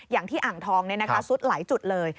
อย่างที่อ่างทองซุดหลายจุดเลย